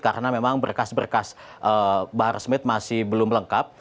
karena memang berkas berkas bahar smith masih belum lengkap